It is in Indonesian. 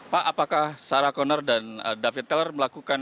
pak apakah sarah connor dan david teller melakukan